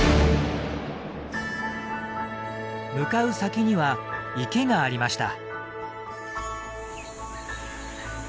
向かう先には池がありました。